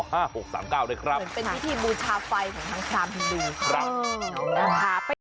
เหมือนเป็นพิธีบูชาไฟของทางพรามฮินดูครับ